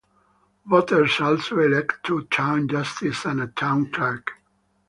Voters also elect two town justices and a town clerk.